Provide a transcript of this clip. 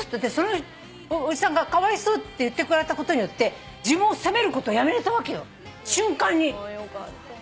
おじさんが「かわいそう」って言ってくれたことによって自分を責めることをやめれたわけよ瞬間に。